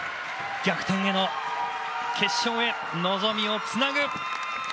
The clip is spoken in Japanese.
逆転への決勝へ望みをつなぐ。